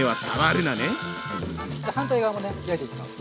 じゃ反対側もね焼いていきます。